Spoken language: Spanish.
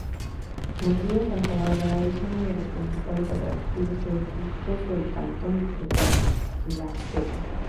El río Santa Bárbara es uno de los principales atractivos turísticos del cantón Gualaceo.